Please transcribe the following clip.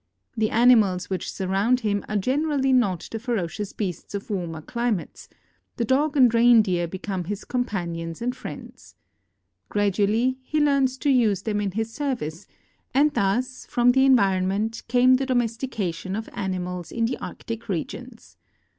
The animals which surround him are generally not the ferocious beasts of warmer climates ; the dog and reindeer become his companions and friends. Gradually he learns to use them THE EFFECTS OF GEOGRAPHIC ENVIRONMENT 1G5 in his service, and thus from the environment came tlie domesti cation of animals in the Arctic regions.